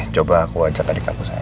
coba aku ajak adik aku sana ya